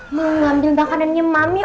mengambil makanannya mami